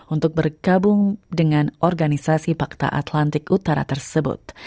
untuk bergabung dengan organisasi pakta atlantik utara tersebut